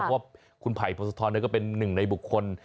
เพราะว่าคุณภัยพระสุทธรณ์ก็เป็นหนึ่งในบุคคล